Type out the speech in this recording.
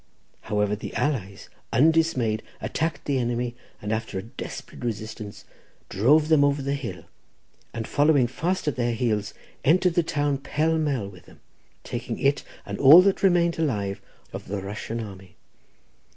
However, the allies, undismayed, attacked the enemy, and after a desperate resistance, drove them over the hill, and following fast at their heels, entered the town pell mell with them, taking it and all that remained alive of the Russian army.